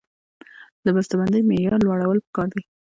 د بسته بندۍ معیار لوړول پکار دي